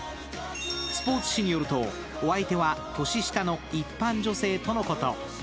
スポーツ紙によると、お相手は年下の一般女性とのこと。